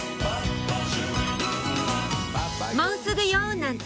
もうすぐよ！なんて